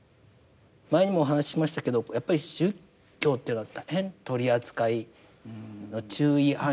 前にもお話ししましたけどやっぱり宗教っていうのは大変取り扱いの注意案件です。